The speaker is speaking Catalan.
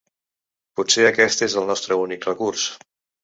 Potser aquest és el nostre únic recurs.